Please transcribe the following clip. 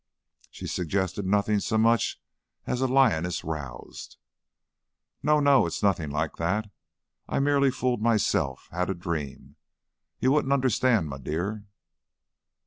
She suggested nothing so much as a lioness roused. "No, no! It is nothing like that. I merely fooled myself had a dream. You wouldn't understand, my dear."